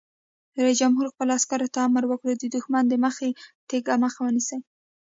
رئیس جمهور خپلو عسکرو ته امر وکړ؛ د دښمن د مخکې تګ مخه ونیسئ!